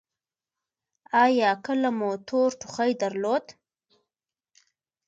ایا کله مو تور ټوخی درلود؟